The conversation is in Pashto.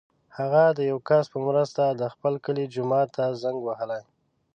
هغه د یو کس په مرسته د خپل کلي جومات ته زنګ وهلی.